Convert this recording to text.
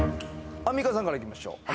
アンミカさんからいきましょう